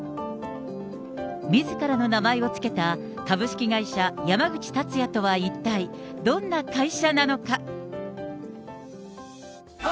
みずからの名前を付けた株式会社山口達也とは一体どんな会社なのか。